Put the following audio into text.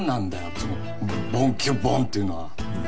その「ボンキュッボン」っていうのは。